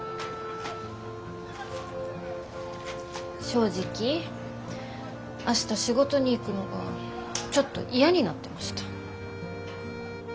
正直明日仕事に行くのがちょっと嫌になってました。